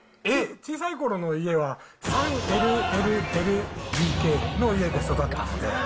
小さいころの家は、３ＬＬＬＤＫの家で育ったんで。